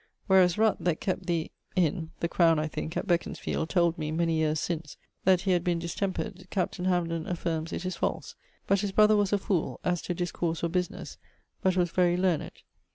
Whereas Rutt, that kept the ... Inne (the Crowne, I thinke) at Beconsfield, told me, many yeares since, that he had been distempered; captain Hamden affirmes it is false; but his brother was a foole, as to discourse or businesse, but was very learned.